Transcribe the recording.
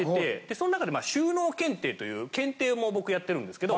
その中で収納検定という検定も僕やってるんですけど